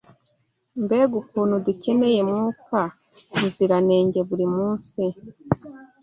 Mbega ukuntu dukeneye Mwuka Muziranenge buri munsi